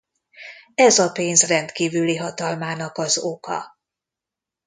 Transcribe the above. Ez a pénz rendkívüli hatalmának az oka.